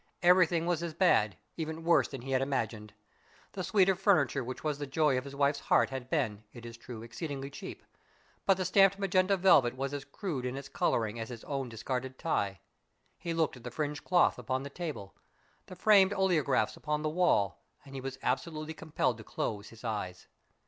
Everything was as bad even worse than he had imagined. The suite of furniture which was the joy of his wife's heart had been, it is true, exceedingly cheap, but the stamped magenta velvet was as crude in its coloring as his own discarded tie. He looked at the fringed cloth upon the table, the framed oleographs upon the wall, and he was absolutely compelled to close his eyes.